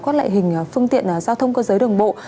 có lại hình là phương tiện giao thông cơ giới đường bộ